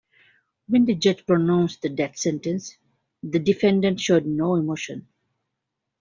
When the judge pronounced the death sentence, the defendant showed no emotion.